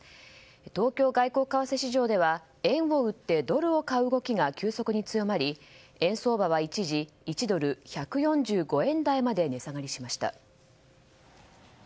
東京外国為替市場では円を売ってドルを買う動きが急速に強まり円相場は一時１ドル＝１４５円台まで値下がりしました。